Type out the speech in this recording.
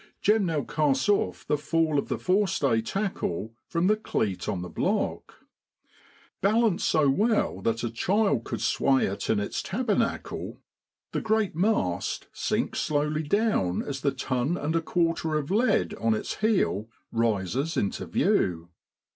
Jem now casts off the fall of the forestay tackle from the cleat on the block. Balanced so well that a child could sway it in its tabernacle, the great A WATERSIDE RENDEZVOUS. mast sinks slowly down as the ton and a quarter of lead on its heel rises into view.